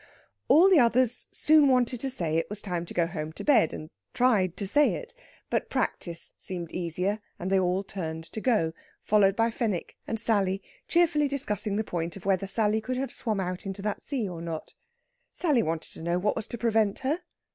All the others soon wanted to say it was time to go home to bed, and tried to say it. But practice seemed easier, and they all turned to go, followed by Fenwick and Sally, cheerfully discussing the point of whether Sally could have swum out into that sea or not. Sally wanted to know what was to prevent her.